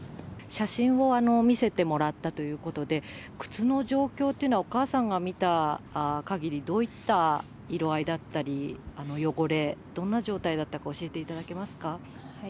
写真を見せてもらったということで、靴の状況というのは、お母さんが見たかぎり、どういった色あいだったり、汚れ、どんな状態だったか教えていただけますか。